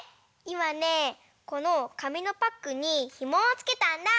いまねこのかみのパックにひもをつけたんだ。